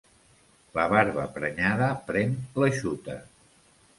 La barba banyada pren l'eixuta.